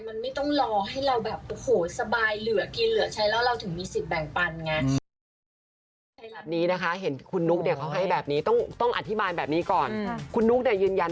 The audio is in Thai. มันไม่ต้องรอให้เราแบบโอ้โหสบายเหลือกินเหลือใช้แล้วเราถึงมีสิทธิแบ่งปันไง